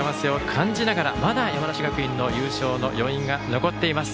まだ山梨学院の優勝の余韻が残っています。